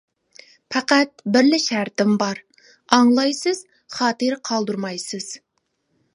پەقەت بىرلا شەرتىم بار، ئاڭلايسىز، خاتىرە قالدۇرمايسىز.